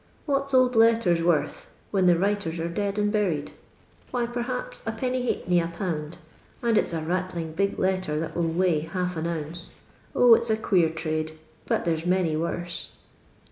What 's old letters wcrth, w^licn the writers are dead and buried] why, perhaps 1J</. a pound, and it's a Mttling big letter t!mt will weigh half an ouncc. 0, it 's a queer trade, but there 's many worse."